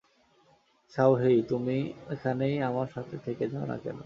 শাওহেই, তুমি এখানেই আমাদের সাথে থেকে যাও না কেন?